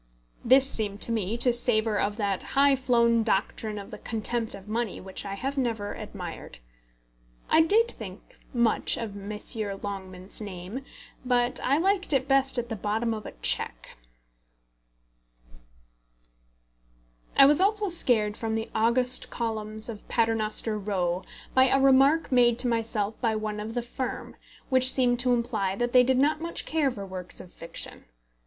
This seemed to me to savour of that high flown doctrine of the contempt of money which I have never admired. I did think much of Messrs. Longman's name, but I liked it best at the bottom of a cheque. I was also scared from the august columns of Paternoster Row by a remark made to myself by one of the firm, which seemed to imply that they did not much care for works of fiction.